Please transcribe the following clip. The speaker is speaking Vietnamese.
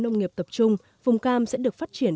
nông nghiệp tập trung vùng cam sẽ được phát triển